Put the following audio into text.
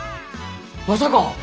まさか！